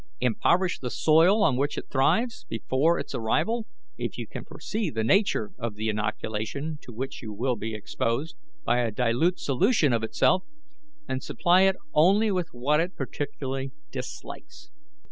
Impoverish the soil on which it thrives, before its arrival, if you can foresee the nature of the inoculation to which you will be exposed, by a dilute solution of itself, and supply it only with what it particularly dislikes.